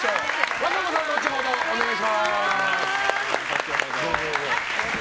和歌子さん、後ほどお願いします。